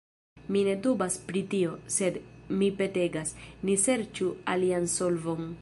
Mi ne dubas pri tio, sed, mi petegas, ni serĉu alian solvon.